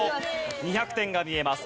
２００点が見えます。